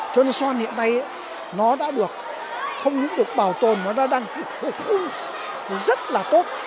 cho nên xoan hiện nay nó đã được không những được bảo tồn mà nó đang rất là tốt